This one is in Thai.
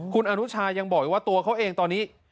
คุณอนุชายังบอกอีกว่าตัวเขาเองตอนนี้